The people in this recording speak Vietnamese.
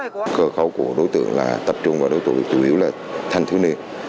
cơ khẩu của đối tượng là tập trung vào đối tượng tù yếu là thanh thiếu niên